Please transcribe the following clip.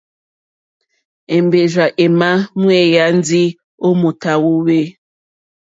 Èmbèrzà èmà ŋwěyá ndí ó mòtà hwòhwê.